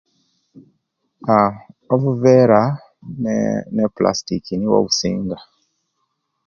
Aaah obuvera ne plastic nibwo obusinga